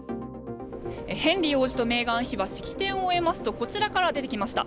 ヘンリー王子とメーガン妃は式典を終えますとこちらから出てきました。